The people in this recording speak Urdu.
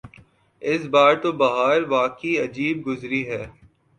اس بار تو بہار واقعی عجیب گزری ہے۔